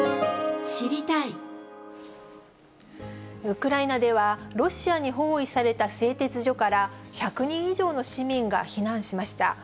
ウクライナでは、ロシアに包囲された製鉄所から１００人以上の市民が避難しました。